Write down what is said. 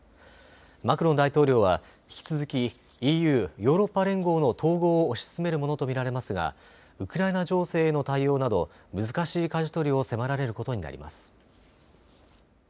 マクロン大統領は引き続きＥＵ・ヨーロッパ連合の統合を推し進めるものと見られますがウクライナ情勢への対応など難しい舵取りを迫られることになります。